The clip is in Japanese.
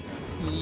お？